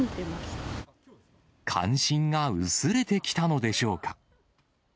関心が薄れてきたのでしょうか。